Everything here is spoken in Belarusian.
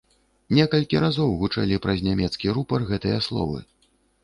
Некалькі разоў гучэлі праз нямецкі рупар гэтыя словы.